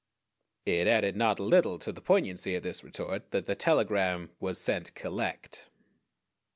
_ It added not a little to the poignancy of this retort that the telegram was sent "collect."